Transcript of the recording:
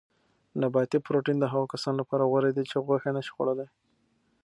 نباتي پروټین د هغو کسانو لپاره غوره دی چې غوښه نه شي خوړلای.